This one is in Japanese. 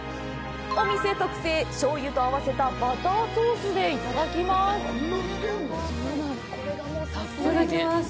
お店特製、醤油と合わせたバターソースでいただきます！